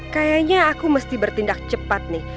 kayaknya aku mesti bertindak cepat nih